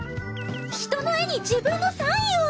人の絵に自分のサインを！